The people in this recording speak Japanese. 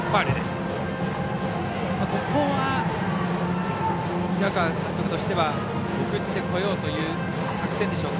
ここは、平川監督としては送ってこようという作戦でしょうか。